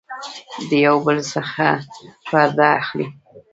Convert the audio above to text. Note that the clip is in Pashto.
د يو بل څخه پرده اخلي